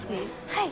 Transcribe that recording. はい。